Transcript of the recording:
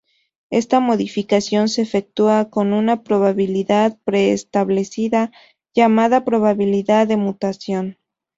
Esta modificación se efectúa con una probabilidad preestablecida, llamada probabilidad de mutación.